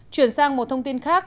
chuyển sang một thông tin khác